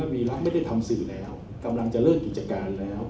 วีระไม่ได้ทำสื่อแล้วกำลังจะเลิกกิจการแล้ว